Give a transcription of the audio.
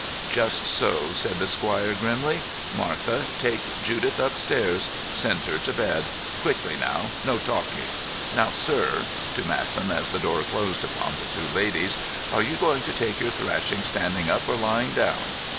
"Just so," said the squire grimly. "Martha, take Judith upstairs! Send her to bed. Quickly now; no talking. Now, sir" (to Masson as the door closed upon the two ladies), "are you going to take your thrashing standing up or lying down?"